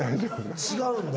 違うんだ。